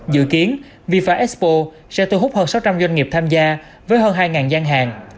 dự kiến fifa expo sẽ thu hút hơn sáu trăm linh doanh nghiệp tham gia với hơn hai gian hàng